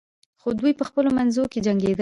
خو دوی په خپلو منځو کې جنګیدل.